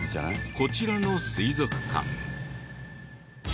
こちらの水族館。